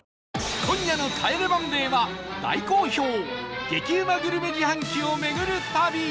今夜の『帰れマンデー』は大好評、激うまグルメ自販機を巡る旅